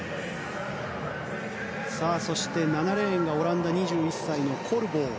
そして７レーンがオランダ、２１歳のコルボー。